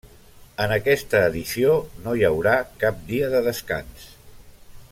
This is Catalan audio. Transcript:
En aquesta edició no hi haurà cap dia de descans.